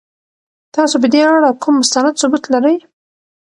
تاسو په دې اړه کوم مستند ثبوت لرئ؟